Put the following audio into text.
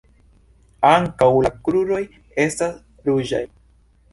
Ankaŭ la kruroj estas ruĝaj.